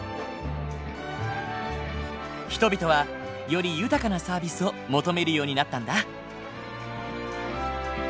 人々はより豊かなサービスを求めるようになったんだ。